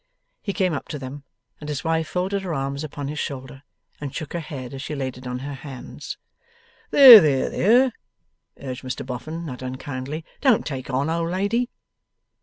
He came up to them, and his wife folded her hands upon his shoulder, and shook her head as she laid it on her hands. 'There, there, there!' urged Mr Boffin, not unkindly. 'Don't take on, old lady.